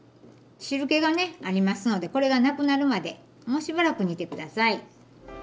汁けがねありますのでこれがなくなるまでもうしばらく煮てください。